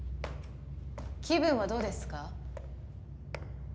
気分はどうですか？